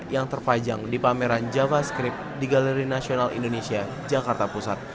yang terpajang di pameran java script di galeri nasional indonesia jakarta pusat